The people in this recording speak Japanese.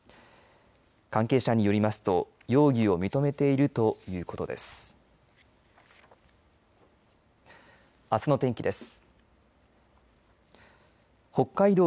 関係者によりますと容疑を認めているということです。